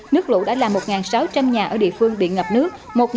nước lũ đã làm một sáu trăm linh nhà ở địa phương bị ngập nước